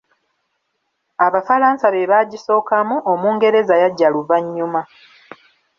Abafalansa be baagisookamu, Omungereza yajja luvannyuma.